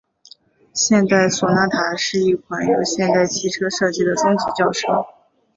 现代索纳塔是一款由现代汽车设计的中级轿车。